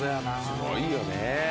すごいよね。